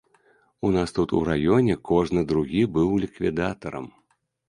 У нас тут у раёне кожны другі быў ліквідатарам.